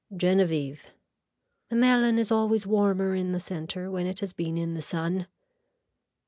(Genevieve.) The melon is always warmer in the center when it has been in the sun.